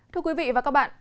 thưa quý vị và các bạn